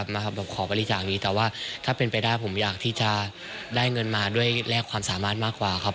มาขอบริจาคนี้แต่ว่าถ้าเป็นไปได้ผมอยากที่จะได้เงินมาด้วยแลกความสามารถมากกว่าครับ